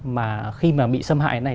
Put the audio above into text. mà khi mà bị xâm hại này